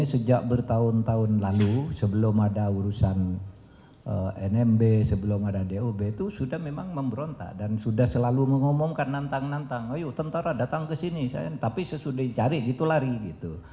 sejak bertahun tahun lalu sebelum ada urusan nmb sebelum ada dob itu sudah memang memberontak dan sudah selalu mengumumkan nantang nantang ayo tentara datang ke sini tapi sesudah cari gitu lari gitu